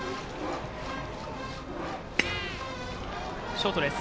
ショートです。